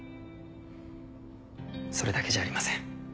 それだけじゃありません。